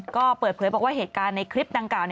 ก็เปิดเผยบอกว่าเหตุการณ์ในคลิปดังกล่าว